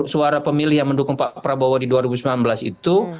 suara pemilih yang mendukung pak prabowo di dua ribu sembilan belas itu